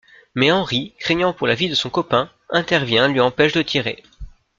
Mais Henry, craignant pour la vie de son copain, intervient lui empêche de tirer.